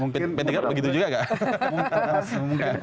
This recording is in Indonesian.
pentingnya begitu juga nggak